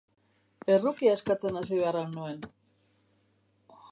Errukia eskatzen hasi behar al nuen?